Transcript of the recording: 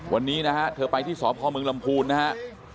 วันนี้นะฮะเธอไปที่สพมลำพูนนะฮะ